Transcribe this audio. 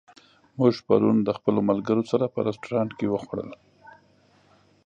موږ پرون د خپلو ملګرو سره په رستورانت کې وخوړل.